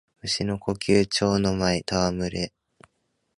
蟲の呼吸蝶ノ舞戯れ（ちょうのまいたわむれ）